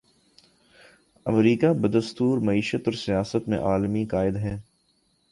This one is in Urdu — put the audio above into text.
امریکہ بدستور معیشت اور سیاست میں عالمی قائد ہے۔